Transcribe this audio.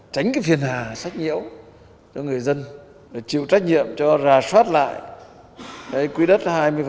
tránh phiền hà sách nhiễu cho người dân chịu trách nhiệm cho rà soát lại quy đất hai mươi